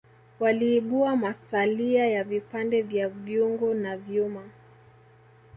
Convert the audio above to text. waliibua masalia ya vipande vya vyungu na vyuma